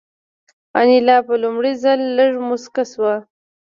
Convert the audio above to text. انیلا په لومړي ځل لږه موسکه شوه